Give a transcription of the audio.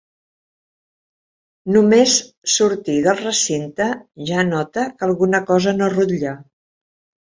Només sortir del recinte ja nota que alguna cosa no rutlla.